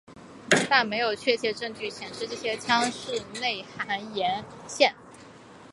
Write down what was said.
但没有确切证据显示这些腔室内含盐腺。